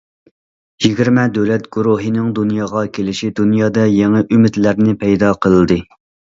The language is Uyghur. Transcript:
يىگىرمە دۆلەت گۇرۇھىنىڭ دۇنياغا كېلىشى دۇنيادا يېڭى ئۈمىدلەرنى پەيدا قىلدى.